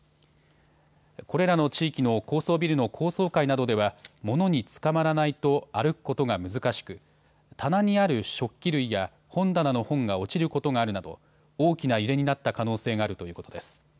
これらの地域の高層ビルの高層階などでは物につかまらないと歩くことが難しく棚にある食器類や本棚の本が落ちることがあるなど大きな揺れになった可能性があるということです。